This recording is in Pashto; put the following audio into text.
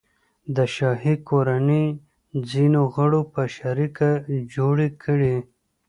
د شاهي کورنۍ ځینو غړو په شریکه جوړې کړي.